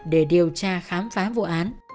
để điều tra khám phá vụ án